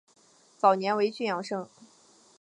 早年为郡庠生。